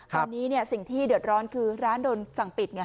ตอนนี้สิ่งที่เดือดร้อนคือร้านโดนสั่งปิดไง